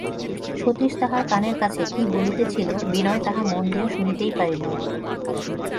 সতীশ তাহার কানের কাছে কী বলিতেছিল, বিনয় তাহা মন দিয়া শুনিতেই পারিল না।